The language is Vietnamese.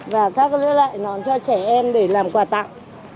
và các loại nón cho trẻ em để làm quà tặng